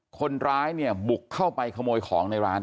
คนร้ายเนี่ยบุกเข้าไปขโมยของในร้าน